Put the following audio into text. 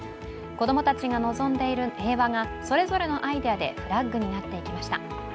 子供たちが望んでいる平和がそれぞれのアイデアでフラッグになっていきました。